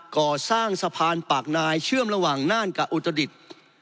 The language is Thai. ก่อสร้างสะพานปากนายเชื่อมระหว่างน่านกับอุตรดิษฐ์